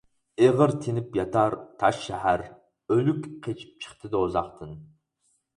ئېغىر تىنىپ ياتار تاش شەھەر، ئۆلۈك قېچىپ چىقتى دوزاختىن.